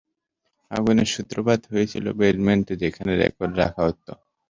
আগুনের সূত্রপাত হয়েছিল বেজমেন্টে যেখানে রেকর্ড রাখা হতো।